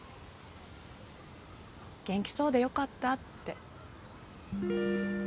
元気そうでよかったって。